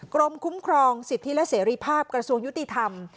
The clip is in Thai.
กรมคุ้มครองสิทธิและเสรีภาพกระทรวงยุติธรรม